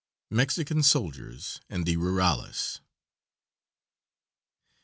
MEXICAN SOLDIERS AND THE RURALES.